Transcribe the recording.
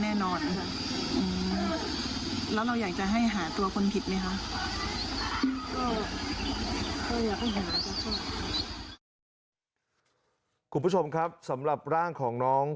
เราเชื่อว่าน้องโดนทำร้ายแน่นอน